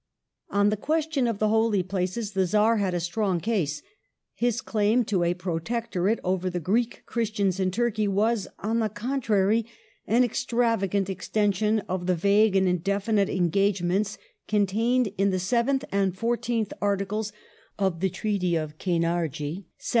On the question of the Holy Places the Czar had a strong case ; his claim to a protectorate over the Greek Christians in Turkey was, on the contrary, an extravagant extension of the vague and indefinite engagements contained in the seventh and fourteenth articles of the Treaty of Kainardji (1774